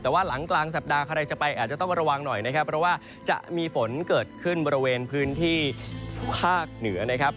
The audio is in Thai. แต่ว่าหลังกลางสัปดาห์ใครจะไปอาจจะต้องระวังหน่อยนะครับเพราะว่าจะมีฝนเกิดขึ้นบริเวณพื้นที่ภาคเหนือนะครับ